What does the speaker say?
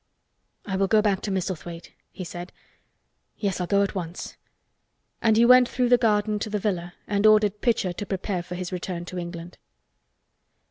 "I will go back to Misselthwaite," he said. "Yes, I'll go at once." And he went through the garden to the villa and ordered Pitcher to prepare for his return to England.